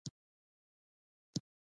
• بښل تل خوشالي راوړي.